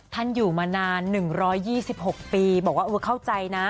ท่านอยู่มานาน๑๒๖ปีบอกว่าเข้าใจนะ